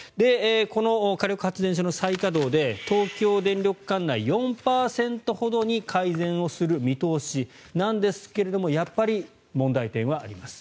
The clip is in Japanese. この火力発電所の再稼働で東京電力管内、４％ほどに改善をする見通しなんですがやっぱり問題点はあります。